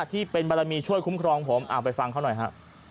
ที่เป็นบารมีช่วยคุ้มครองผมไปฟังเขาหน่อยฮะ